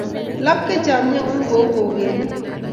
Lapkei chamyengung ko u kokelik